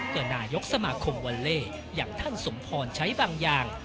ก็นายกสมาคมวอลเล่อย่างท่านสมพรใช้บางอย่าง